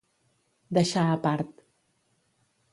Deixar a part.